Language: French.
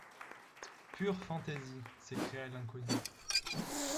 Pures fantaisies! s’écria l’inconnu.